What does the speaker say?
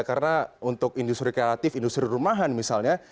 karena untuk industri kreatif industri rumahan misalnya